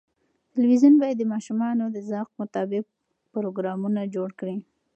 تلویزیون باید د ماشومانو د ذوق مطابق پروګرامونه جوړ کړي.